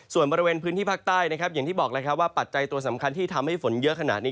ส่วนบริเวณพื้นที่ภาคใต้นะครับอย่างที่บอกแล้วครับว่าปัจจัยตัวสำคัญที่ทำให้ฝนเยอะขนาดนี้